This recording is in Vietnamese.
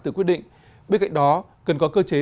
tự quyết định bên cạnh đó cần có cơ chế